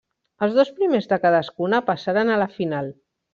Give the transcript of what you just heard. Els dos primers de cadascuna passaren a la final.